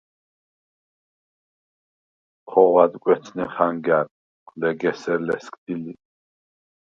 ქოღვ ადკვეცნე ხანგა̈რ, ლეგ ესერ ლესგდი ლი.